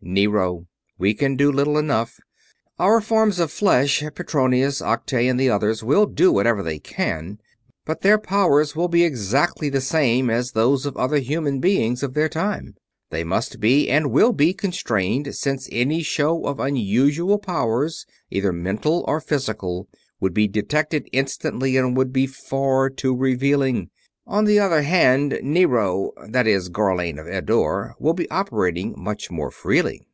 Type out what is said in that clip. "Nero. We can do little enough. Our forms of flesh Petronius, Acte, and the others will do whatever they can; but their powers will be exactly the same as those of other human beings of their time. They must be and will be constrained, since any show of unusual powers, either mental or physical, would be detected instantly and would be far too revealing. On the other hand, Nero that is, Gharlane of Eddore will be operating much more freely."